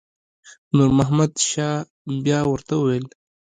نور محمد شاه بیا ورته وویل.